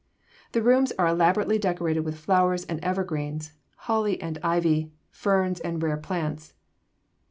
The rooms are elaborately decorated with flowers and evergreens, holly and ivy, ferns and rare plants.